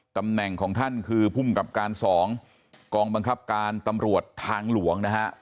ตำแหน่งของท่านคือภูมิกับการ๒กองบังคับการตำรวจทางหลวงนะฮะ